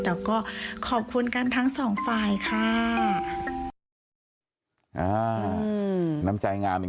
แต่ก็ขอบคุณกันทั้งสองฝ่ายค่ะ